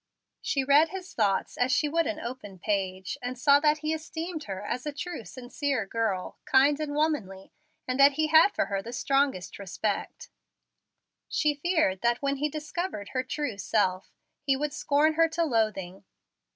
She read his thoughts as she would an open page, and saw that he esteemed her as a true, sincere girl, kind and womanly, and that he had for her the strongest respect. She feared that when he discovered her true self he would scorn her to loathing.